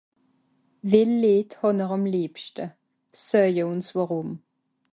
well lied hànn'r àm liebschte seuje ùns wàrùm